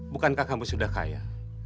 bukankah kamu sudah kaya